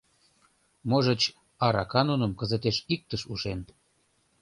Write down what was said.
Можыч, арака нуным кызытеш иктыш ушен.